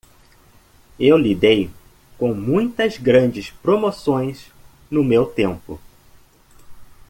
Eu lidei com muitas grandes promoções no meu tempo.